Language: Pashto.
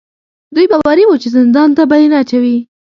دوی باوري وو چې زندان ته به یې نه اچوي.